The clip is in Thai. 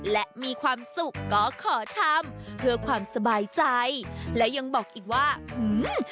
และมีความสุขก็ขอทำเพื่อความสบายใจและยังบอกอีกว่าหือ